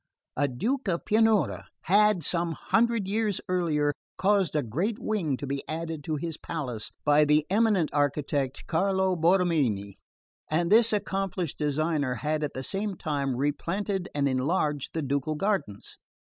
A Duke of Pianura had, some hundred years earlier, caused a great wing to be added to his palace by the eminent architect Carlo Borromini, and this accomplished designer had at the same time replanted and enlarged the ducal gardens.